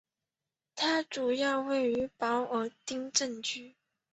它主要位于保尔丁镇区。